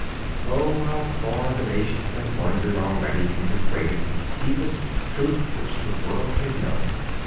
Oh, how far the nations had wandered already from the greatest, deepest truth which the world can know!